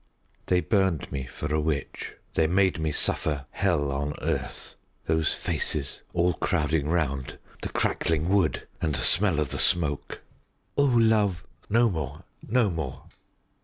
They burned me for a witch, they made me suffer hell on earth. Those faces, all crowding round, the crackling wood and the smell of the smoke " "O love! no more no more."